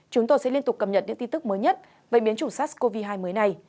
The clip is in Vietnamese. chúng tôi sẽ liên tục cầm nhận những tin tức mới nhất về biến chủ sars cov hai mới này